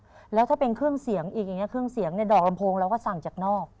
เราที่เป็นเครื่องเสียงอีกนะเครื่องเสียงของเราก็สั่งจากนอก